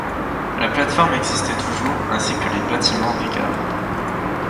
La plateforme existait toujours ainsi que les bâtiments des gares.